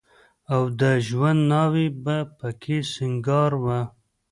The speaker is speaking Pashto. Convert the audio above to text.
او د ژوند ناوې به په کې سينګار وه.